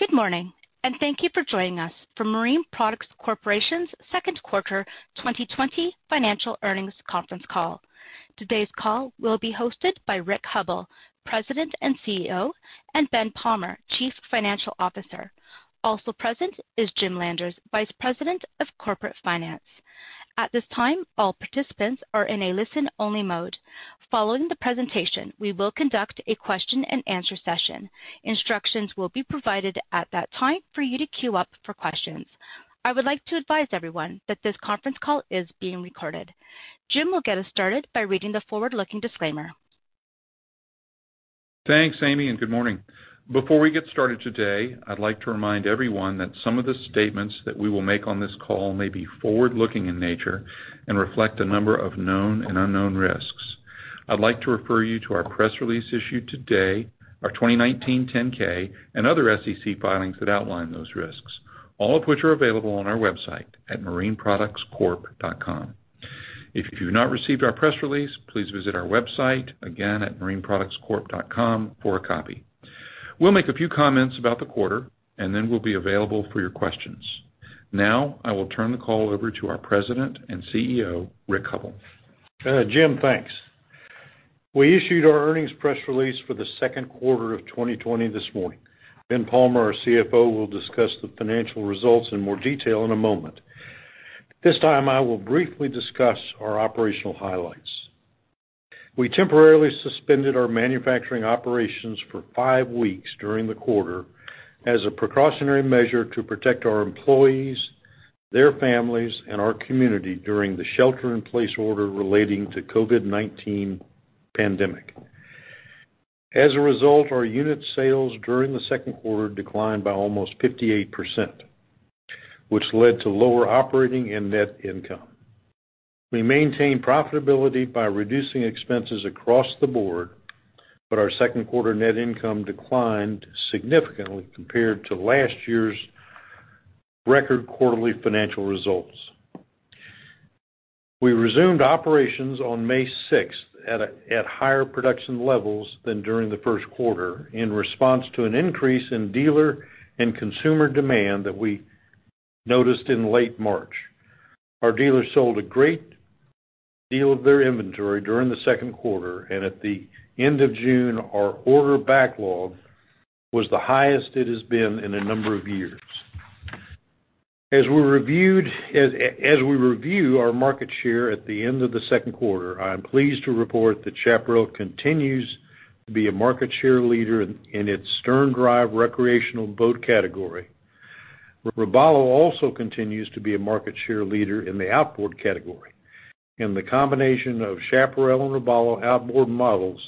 Good morning, and thank you for joining us for Marine Products Corporation's Second Quarter 2020 Financial Earnings conference call. Today's call will be hosted by Rick Hubbell, President and CEO, and Ben Palmer, Chief Financial Officer. Also present is Jim Landers, Vice President of Corporate Finance. At this time, all participants are in a listen-only mode. Following the presentation, we will conduct a question-and-answer session. Instructions will be provided at that time for you to queue up for questions. I would like to advise everyone that this conference call is being recorded. Jim will get us started by reading the forward-looking disclaimer. Thanks, Amy, and good morning. Before we get started today, I'd like to remind everyone that some of the statements that we will make on this call may be forward-looking in nature and reflect a number of known and unknown risks. I'd like to refer you to our press release issued today, our 2019 10-K, and other SEC filings that outline those risks, all of which are available on our website at marineproductscorp.com. If you have not received our press release, please visit our website again at marineproductscorp.com for a copy. We'll make a few comments about the quarter, and then we'll be available for your questions. Now, I will turn the call over to our President and CEO, Rick Hubbell. Jim, thanks. We issued our earnings press release for the second quarter of 2020 this morning. Ben Palmer, our CFO, will discuss the financial results in more detail in a moment. At this time, I will briefly discuss our operational highlights. We temporarily suspended our manufacturing operations for five weeks during the quarter as a precautionary measure to protect our employees, their families, and our community during the shelter-in-place order relating to the COVID-19 pandemic. As a result, our unit sales during the second quarter declined by almost 58%, which led to lower operating and net income. We maintained profitability by reducing expenses across the board, but our second quarter net income declined significantly compared to last year's record quarterly financial results. We resumed operations on May 6th at higher production levels than during the first quarter in response to an increase in dealer and consumer demand that we noticed in late March. Our dealers sold a great deal of their inventory during the second quarter, and at the end of June, our order backlog was the highest it has been in a number of years. As we review our market share at the end of the second quarter, I am pleased to report that Chaparral continues to be a market share leader in its stern drive recreational boat category. Robalo also continues to be a market share leader in the outboard category, and the combination of Chaparral and Robalo outboard models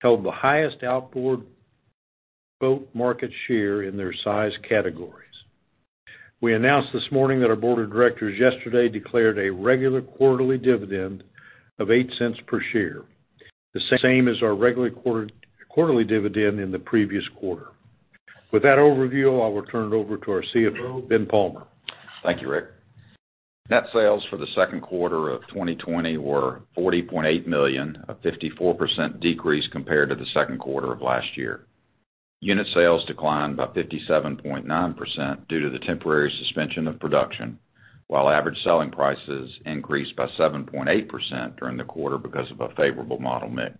held the highest outboard boat market share in their size categories. We announced this morning that our board of directors yesterday declared a regular quarterly dividend of $0.08 per share, the same as our regular quarterly dividend in the previous quarter. With that overview, I will turn it over to our CFO, Ben Palmer. Thank you, Rick. Net sales for the second quarter of 2020 were $40.8 million, a 54% decrease compared to the second quarter of last year. Unit sales declined by 57.9% due to the temporary suspension of production, while average selling prices increased by 7.8% during the quarter because of a favorable model mix.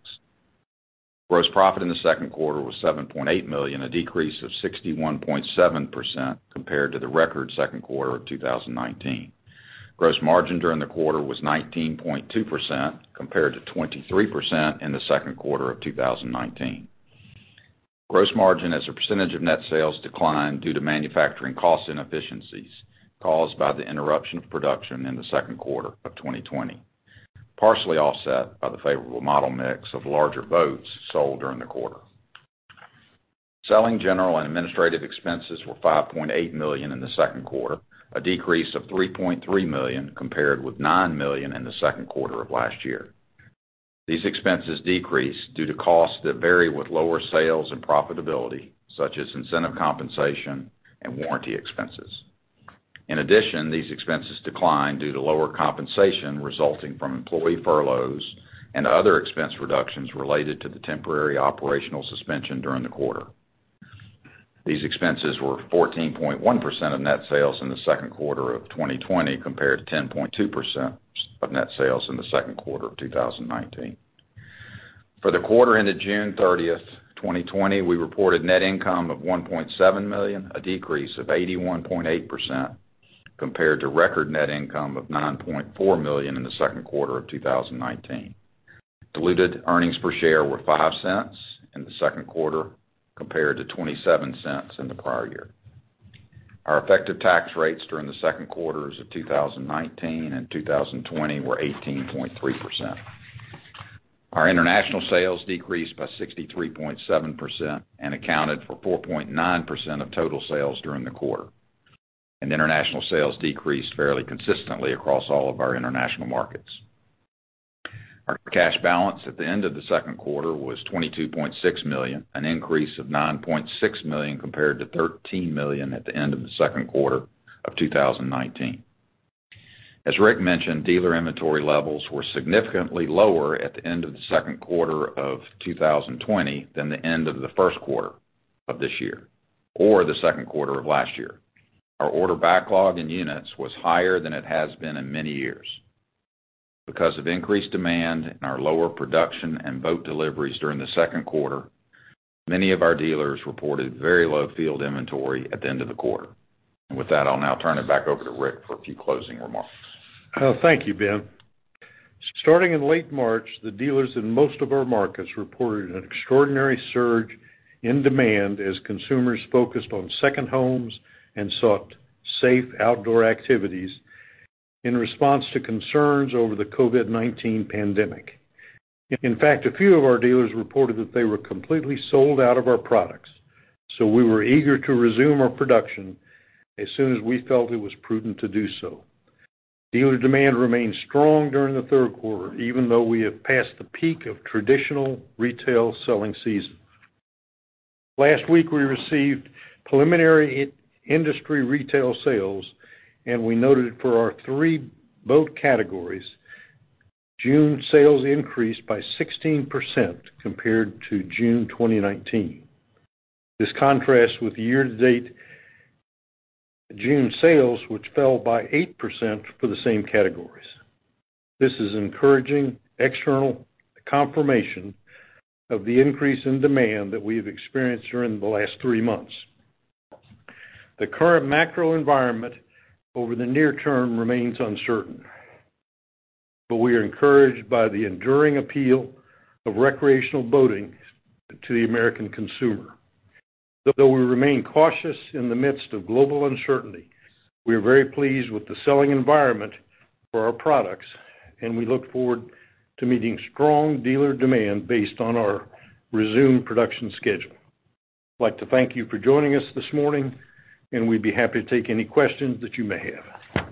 Gross profit in the second quarter was $7.8 million, a decrease of 61.7% compared to the record second quarter of 2019. Gross margin during the quarter was 19.2% compared to 23% in the second quarter of 2019. Gross margin as a percentage of net sales declined due to manufacturing cost inefficiencies caused by the interruption of production in the second quarter of 2020, partially offset by the favorable model mix of larger boats sold during the quarter. Selling, general and administrative expenses were $5.8 million in the second quarter, a decrease of $3.3 million compared with $9 million in the second quarter of last year. These expenses decreased due to costs that vary with lower sales and profitability, such as incentive compensation and warranty expenses. In addition, these expenses declined due to lower compensation resulting from employee furloughs and other expense reductions related to the temporary operational suspension during the quarter. These expenses were 14.1% of net sales in the second quarter of 2020 compared to 10.2% of net sales in the second quarter of 2019. For the quarter ended June 30th, 2020, we reported net income of $1.7 million, a decrease of 81.8% compared to record net income of $9.4 million in the second quarter of 2019. Diluted earnings per share were $0.05 in the second quarter compared to $0.27 in the prior year. Our effective tax rates during the second quarters of 2019 and 2020 were 18.3%. Our international sales decreased by 63.7% and accounted for 4.9% of total sales during the quarter, and international sales decreased fairly consistently across all of our international markets. Our cash balance at the end of the second quarter was $22.6 million, an increase of $9.6 million compared to $13 million at the end of the second quarter of 2019. As Rick mentioned, dealer inventory levels were significantly lower at the end of the second quarter of 2020 than the end of the first quarter of this year or the second quarter of last year. Our order backlog in units was higher than it has been in many years. Because of increased demand and our lower production and boat deliveries during the second quarter, many of our dealers reported very low field inventory at the end of the quarter. With that, I'll now turn it back over to Rick for a few closing remarks. Thank you, Ben. Starting in late March, the dealers in most of our markets reported an extraordinary surge in demand as consumers focused on second homes and sought safe outdoor activities in response to concerns over the COVID-19 pandemic. In fact, a few of our dealers reported that they were completely sold out of our products, so we were eager to resume our production as soon as we felt it was prudent to do so. Dealer demand remained strong during the third quarter, even though we have passed the peak of traditional retail selling season. Last week, we received preliminary industry retail sales, and we noted for our three boat categories, June sales increased by 16% compared to June 2019. This contrasts with year-to-date June sales, which fell by 8% for the same categories. This is encouraging external confirmation of the increase in demand that we have experienced during the last three months. The current macro environment over the near term remains uncertain, but we are encouraged by the enduring appeal of recreational boating to the American consumer. Though we remain cautious in the midst of global uncertainty, we are very pleased with the selling environment for our products, and we look forward to meeting strong dealer demand based on our resumed production schedule. I'd like to thank you for joining us this morning, and we'd be happy to take any questions that you may have.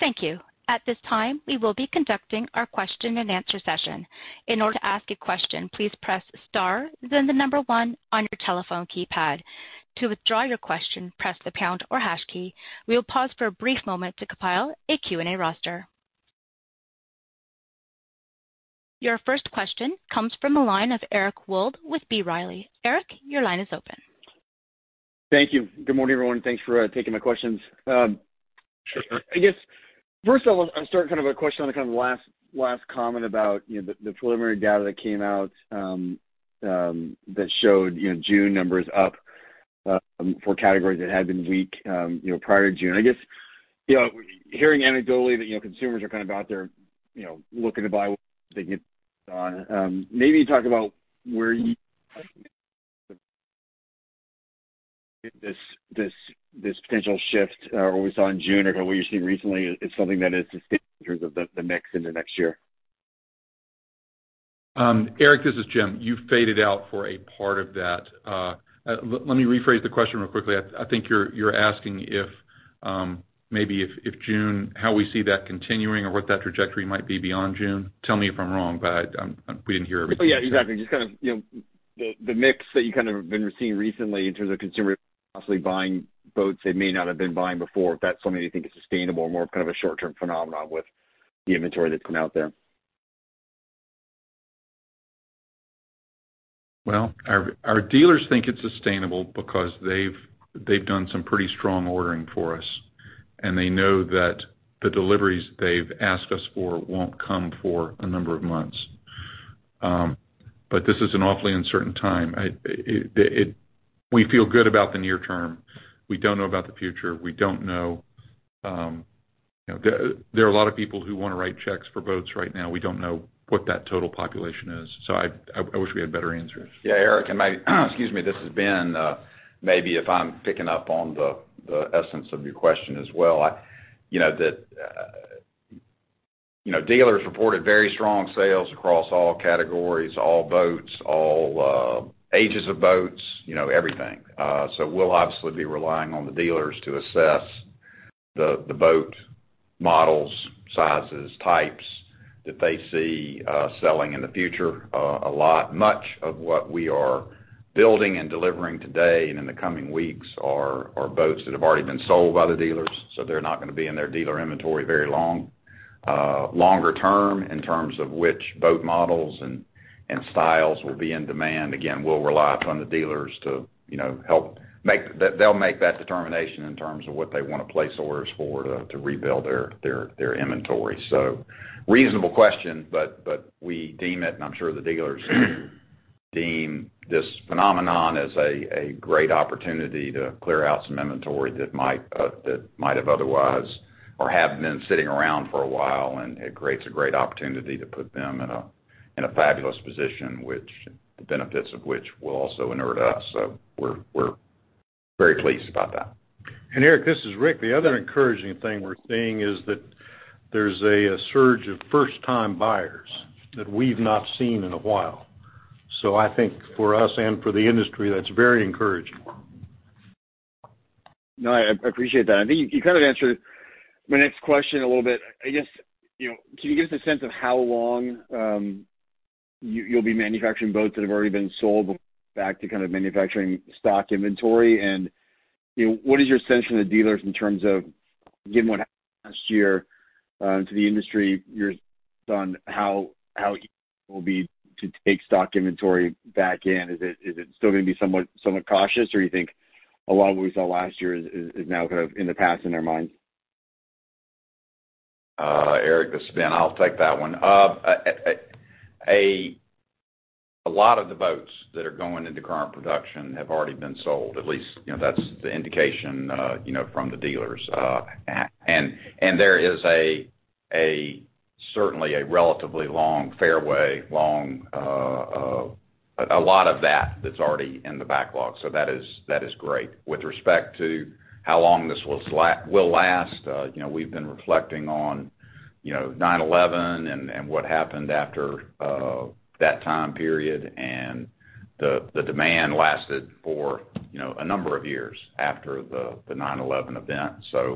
Thank you. At this time, we will be conducting our question-and-answer session. In order to ask a question, please press star, then the number one on your telephone keypad. To withdraw your question, press the pound or hash key. We'll pause for a brief moment to compile a Q&A roster. Your first question comes from the line of Eric Wold with B. Riley. Eric, your line is open. Thank you. Good morning, everyone. Thanks for taking my questions. I guess, first of all, I'll start with a question on the last comment about the preliminary data that came out that showed June numbers up for categories that had been weak prior to June. I guess, hearing anecdotally that consumers are out there looking to buy what they can get on, maybe you talk about where you see this potential shift or what we saw in June or what you're seeing recently is something that is distinct in terms of the mix into next year. Eric, this is Jim. You faded out for a part of that. Let me rephrase the question real quickly. I think you're asking maybe if June, how we see that continuing or what that trajectory might be beyond June? Tell me if I'm wrong, but we didn't hear everything. Yeah, exactly. Just kind of the mix that you've kind of been seeing recently in terms of consumers possibly buying boats they may not have been buying before, if that's something you think is sustainable or more kind of a short-term phenomenon with the inventory that's been out there. Our dealers think it's sustainable because they've done some pretty strong ordering for us, and they know that the deliveries they've asked us for won't come for a number of months. This is an awfully uncertain time. We feel good about the near term. We don't know about the future. We don't know. There are a lot of people who want to write checks for boats right now. We don't know what that total population is. I wish we had better answers. Yeah, Eric, and I—excuse me—this is Ben. Maybe, if I'm picking up on the essence of your question as well, that dealers reported very strong sales across all categories, all boats, all ages of boats, everything. We will obviously be relying on the dealers to assess the boat models, sizes, types that they see selling in the future. Much of what we are building and delivering today and in the coming weeks are boats that have already been sold by the dealers. They are not going to be in their dealer inventory very long. Longer term in terms of which boat models and styles will be in demand, again, we will rely upon the dealers to help make—they will make that determination in terms of what they want to place orders for to rebuild their inventory. Reasonable question, but we deem it, and I'm sure the dealers deem this phenomenon as a great opportunity to clear out some inventory that might have otherwise or have been sitting around for a while, and it creates a great opportunity to put them in a fabulous position, which the benefits of which will also inherit us. So we're very pleased about that. Eric, this is Rick. The other encouraging thing we're seeing is that there's a surge of first-time buyers that we've not seen in a while. I think for us and for the industry, that's very encouraging. No, I appreciate that. I think you kind of answered my next question a little bit. I guess, can you give us a sense of how long you'll be manufacturing boats that have already been sold back to kind of manufacturing stock inventory? What is your sense from the dealers in terms of given what happened last year to the industry you're on, how easy it will be to take stock inventory back in? Is it still going to be somewhat cautious, or do you think a lot of what we saw last year is now kind of in the past in their minds? Eric, this is Ben—I will take that one. A lot of the boats that are going into current production have already been sold. At least that is the indication from the dealers. There is certainly a relatively long fairway, a lot of that is already in the backlog. That is great. With respect to how long this will last, we have been reflecting on 9/11 and what happened after that time period, and the demand lasted for a number of years after the 9/11 event.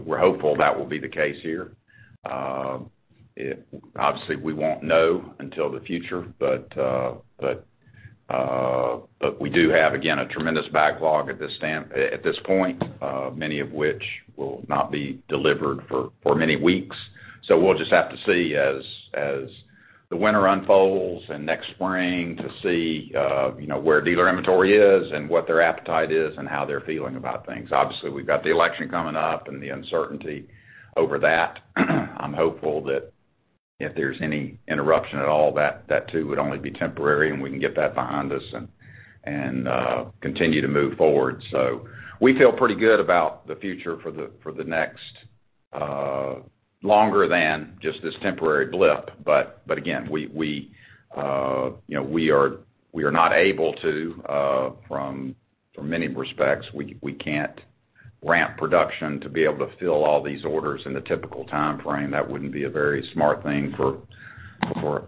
We are hopeful that will be the case here. Obviously, we will not know until the future, but we do have, again, a tremendous backlog at this point, many of which will not be delivered for many weeks. We will just have to see as the winter unfolds and next spring to see where dealer inventory is and what their appetite is and how they're feeling about things. Obviously, we've got the election coming up and the uncertainty over that. I'm hopeful that if there's any interruption at all, that too would only be temporary, and we can get that behind us and continue to move forward. We feel pretty good about the future for the next longer than just this temporary blip, but again, we are not able to, from many respects, we can't ramp production to be able to fill all these orders in the typical time frame. That wouldn't be a very smart thing for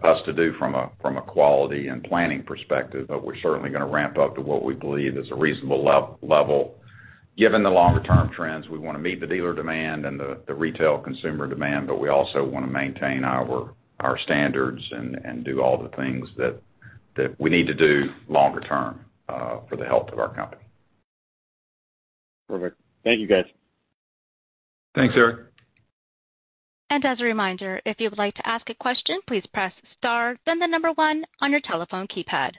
us to do from a quality and planning perspective, but we're certainly going to ramp up to what we believe is a reasonable level. Given the longer-term trends, we want to meet the dealer demand and the retail consumer demand, but we also want to maintain our standards and do all the things that we need to do longer term for the health of our company. Perfect. Thank you, guys. Thanks, Eric. As a reminder, if you would like to ask a question, please press star, then the number one on your telephone keypad.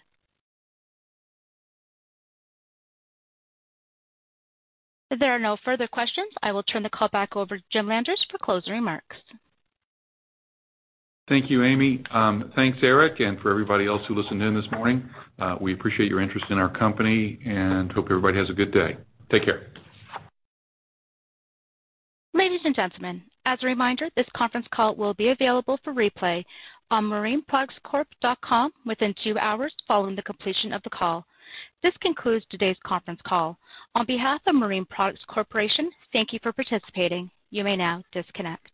If there are no further questions, I will turn the call back over to Jim Landers for closing remarks. Thank you, Amy. Thanks, Eric, and for everybody else who listened in this morning. We appreciate your interest in our company and hope everybody has a good day. Take care. Ladies and gentlemen, as a reminder, this conference call will be available for replay on marineproductscorp.com within two hours following the completion of the call. This concludes today's conference call. On behalf of Marine Products Corporation, thank you for participating. You may now disconnect.